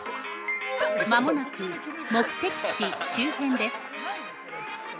◆間もなく目的地周辺です。